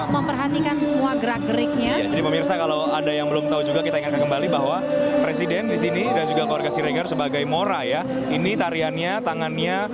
terhadap sebuah kemampuan yang berharga dan berharga yang berharga yang berharga yang berharga